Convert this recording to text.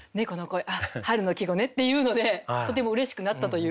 春の季語ねっていうのでとてもうれしくなったという。